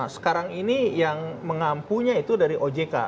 sekarang ini yang mengampunya itu dari ojk